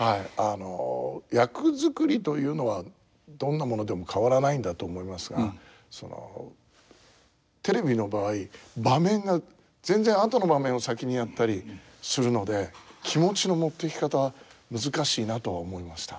あの役作りというのはどんなものでも変わらないんだと思いますがそのテレビの場合場面が全然後の場面を先にやったりするので気持ちの持っていき方難しいなとは思いました。